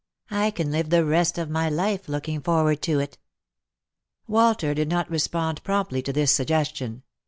I can live the rest of my life looking forward to it." Walter did not respond promptly to this suggestion.